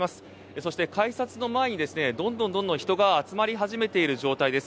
そして、改札の前にどんどん人が集まり始めている状況です。